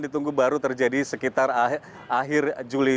ditunggu baru terjadi sekitar akhir juli